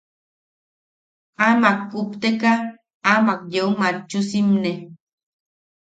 Amak kupteka, amak yeu matchu simne.